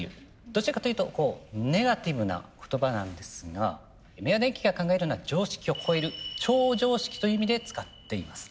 どちらかというとネガティブな言葉なんですが明和電機が考えるのは常識を超える「超常識」という意味で使っています。